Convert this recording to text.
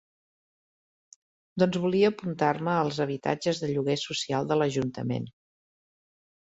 Doncs volia apuntar-me als habitatges de lloguer social de l'ajuntament.